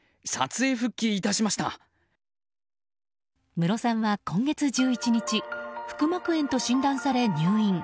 ムロさんは、今月１１日腹膜炎と診断され、入院。